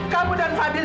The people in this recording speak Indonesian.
kamu dan fadil